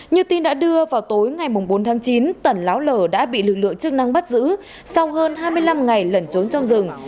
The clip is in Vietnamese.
như tin đã đưa vào tối ngày bốn tháng chín tẩn láo lở đã bị lực lượng chức năng bắt giữ sau hơn hai mươi năm ngày lẩn trốn trong rừng